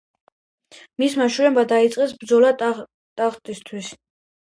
მისმა შვილებმა დაიწყეს ბრძოლა ტახტისათვის.